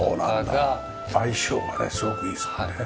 相性がねすごくいいですもんね。